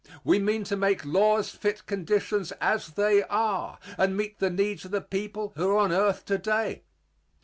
We mean to make laws fit conditions as they are and meet the needs of the people who are on earth to day.